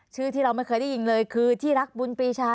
ที่เราไม่เคยได้ยินเลยคือที่รักบุญปีชา